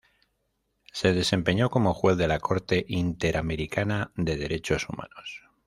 Se desempeñó como Juez de la Corte Interamericana de Derechos Humanos.